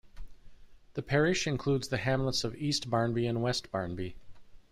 The parish includes the hamlets of East Barnby and West Barnby.